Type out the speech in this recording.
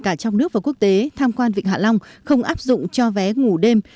cả trong nước và quốc tế tham quan vịnh hạ long không áp dụng cho vé ngủ đêm